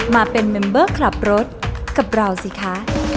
มาเป็นเมมเบอร์ขับรถกับเราสิคะ